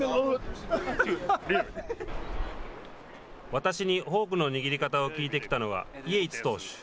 私にフォークの握り方を聞いてきたのは、イェイツ投手。